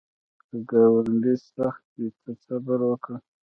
که ګاونډی سخت وي، ته صبر وکړه